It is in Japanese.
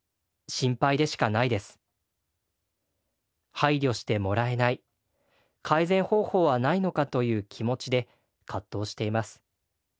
配慮してもらえない改善方法はないのかという気持ちで葛藤しています。